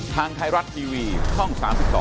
ทางไทยรัฐทีวีช่อง๓๒